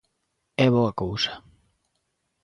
É boa cousa.